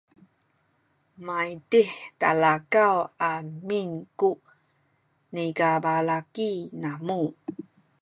maydih talakaw amin ku nikabalaki namu